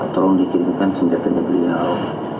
tolong dikirimkan senjatanya beliau